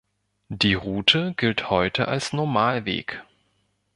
Die Route gilt heute als Normalweg.